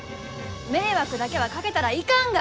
迷惑だけはかけたらいかんが！